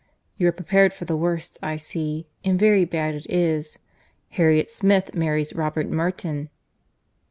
"You are prepared for the worst, I see—and very bad it is. Harriet Smith marries Robert Martin."